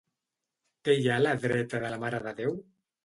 Què hi ha a la dreta de la Mare de Déu?